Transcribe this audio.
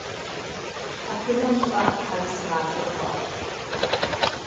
Щхьэхынэм щӀыӀэ хыхьэри сымаджэ хъуащ.